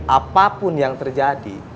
apapun yang terjadi